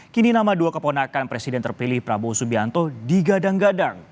kini nama dua keponakan presiden terpilih prabowo subianto digadang gadang